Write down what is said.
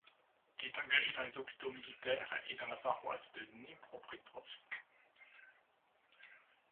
Il est engagé dans les hôpitaux militaires et dans la Paroisse de Dnepropetrovsk.